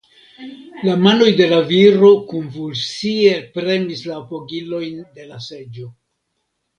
La manoj de la viro konvulsie premis la apogilojn de la seĝo.